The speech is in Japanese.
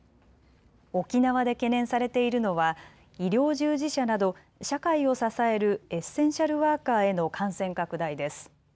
沖縄で懸念されているのは医療従事者など社会を支えるエッセンシャルワーカーへの感染拡大です。